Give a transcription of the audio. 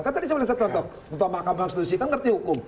kan tadi saya melihat ketua mahkamah konstitusi kan ngerti hukum